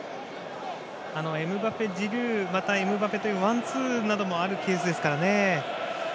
エムバペ、ジルーまたエムバペというワンツーなどもあるケースですからね。